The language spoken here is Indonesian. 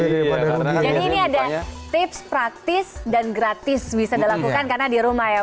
jadi ini ada tips praktis dan gratis bisa dilakukan karena di rumah ya